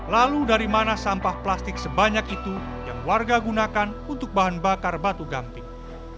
lalu dari mana sampah plastik sebanyak itu yang warga gunakan untuk bahan bakar batu gamping